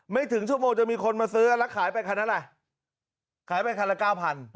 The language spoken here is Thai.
ไม่ถึงชั่วโมงจะมีคนมาซื้อแล้วขายไปคันอะไรขายไปคันละเก้าพัน